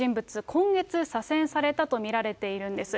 今月左遷されたと見られているんです。